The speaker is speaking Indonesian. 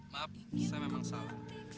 maaf saya memang salah